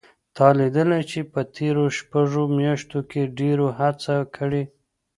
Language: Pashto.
تا لیدلي چې په تېرو شپږو میاشتو کې ډېرو هڅه کړې